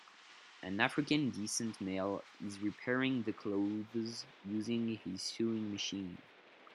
A african descent male is repairing the clothes using his sewing machine